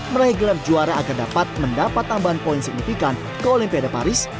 meraih gelar juara agar dapat mendapat tambahan poin signifikan ke olimpiade paris